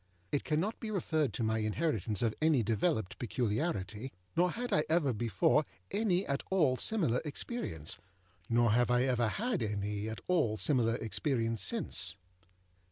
It cannot be referred to my inheritance of any developed peculiarity, nor had I ever before any at all similar experience, nor have I ever had any at all similar experience since.